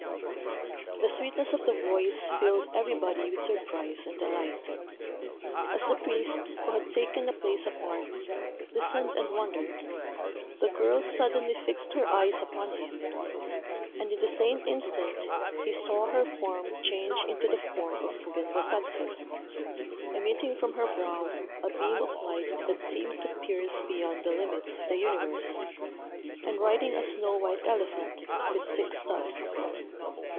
The sweetness of the voice filled everybody with surprise and delight. As the priest, who had taken a place apart, listened and wondered, the girl suddenly fixed her eyes upon him; and in the same instant he saw her form change into the form of Fugen Bosatsu, emitting from her brow a beam of light that seemed to pierce beyond the limits of the universe, and riding a snow white elephant with six tusks.